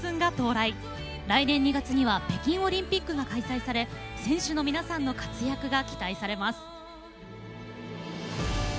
来年２月には北京オリンピックが開催され選手の皆さんの活躍が期待されます。